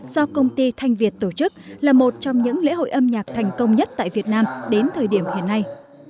do công ty thanh việt tổ chức là một trong những lễ hội âm nhạc thành công nhất tại việt nam đến thời điểm hiện nay